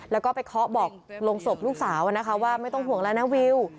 แล้วก็ไปเคาะบอกลงศพลูกสาวนะคะว่าไม่ต้องห่วงแล้วนะวิว